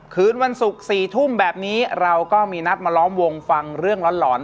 คืนวันศุกร์๔ทุ่มแบบนี้เราก็มีนัดมาล้อมวงฟังเรื่องหลอน